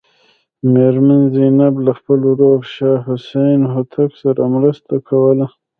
میرمن زینب له خپل ورور شاه حسین هوتک سره مرسته کوله.